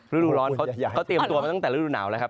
ฤดูร้อนเขาเตรียมตัวมาตั้งแต่ฤดูหนาวแล้วครับ